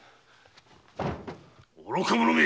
愚か者め！